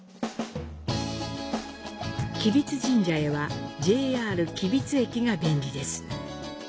吉備津神社へはＪＲ吉備津駅が便利です。